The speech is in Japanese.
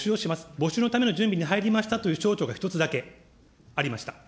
募集のための準備に入りましたという省庁が１つだけありました。